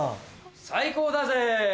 最高だぜ。